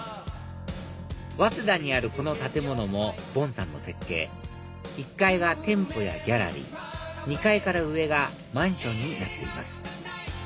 早稲田にあるこの建物も梵さんの設計１階が店舗やギャラリー２階から上がマンションになっています